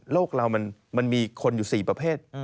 โลกเรามันมีคนอยู่๔ประเภท